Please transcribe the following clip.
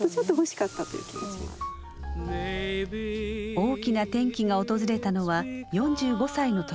大きな転機が訪れたのは４５歳の時。